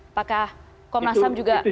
apakah komnas ham juga melihat itu